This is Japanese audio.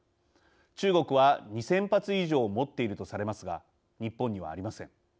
中国は２，０００発以上持っているとされますが日本にはありません。